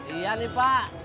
iya nih pak